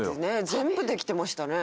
全部できてましたね。